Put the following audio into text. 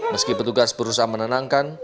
meski petugas berusaha menenangkan